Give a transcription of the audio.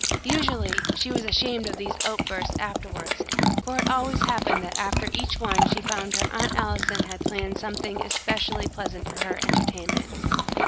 Usually she was ashamed of these outbursts afterwards, for it always happened that after each one she found her Aunt Allison had planned something especially pleasant for her entertainment.